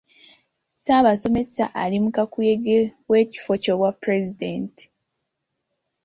Ssaabasomesa ali mu kakuyege w'ekifo ky'obwa pulezidenti.